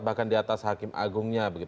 bahkan di atas hakim agungnya